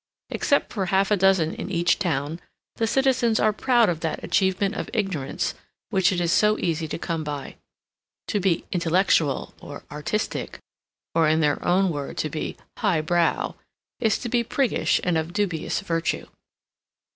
Except for half a dozen in each town the citizens are proud of that achievement of ignorance which it is so easy to come by. To be "intellectual" or "artistic" or, in their own word, to be "highbrow," is to be priggish and of dubious virtue.